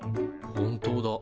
本当だ。